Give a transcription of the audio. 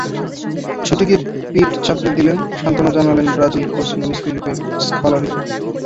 ছুটে গিয়ে পিঠ চাপড়ে দিলেন, সান্ত্বনা জানালেন ব্রাজিল কোচ লুইস ফেলিপে স্কলারিও।